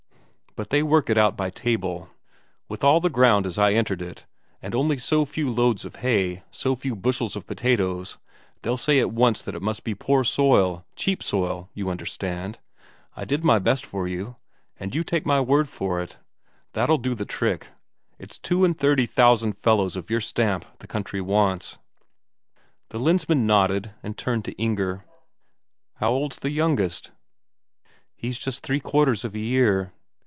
But they work it out by table. With all the ground as I entered it, and only so few loads of hay, so few bushels of potatoes, they'll say at once that it must be poor soil, cheap soil, you understand. I did my best for you, and you take my word for it, that'll do the trick. It's two and thirty thousand fellows of your stamp the country wants." The Lensmand nodded and turned to Inger. "How old's the youngest?" "He's just three quarters of a year."